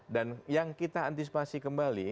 dan yang kita antisipasi kembali